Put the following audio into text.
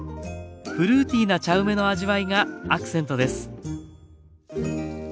フルーティーな茶梅の味わいがアクセントです。